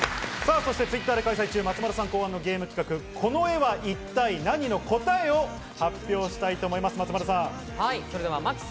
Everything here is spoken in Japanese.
そしてＴｗｉｔｔｅｒで開催中、松丸さん考案のゲーム企画「この絵は一体ナニ！？」の答えを発表します。